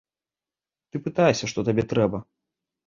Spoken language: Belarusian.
Ты пытайся, што табе трэба.